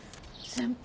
先輩